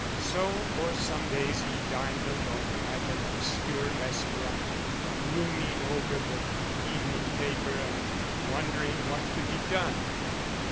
So for some days he dined alone at an obscure restaurant, glooming over the evening paper and wondering what could be done.